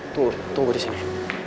tunggu tunggu disini